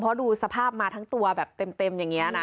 เพราะดูสภาพมาทั้งตัวแบบเต็มอย่างนี้นะ